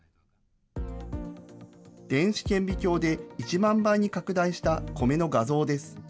電子顕微鏡で１万倍に拡大したコメの画像です。